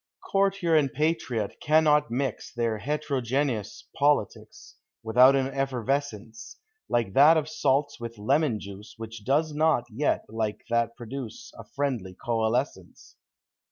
Courtier and patriot cannot mix Their het'rogeneous politics Without an effervescence. Like that of salts with lemon juice. Which does not yet like that produce A friendly coalescence.